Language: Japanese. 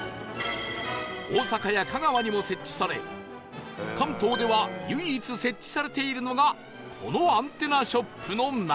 大阪や香川にも設置され関東では唯一設置されているのがこのアンテナショップの中